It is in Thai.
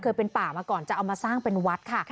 เป็นป่ามาก่อนจะเอามาสร้างเป็นวัดค่ะ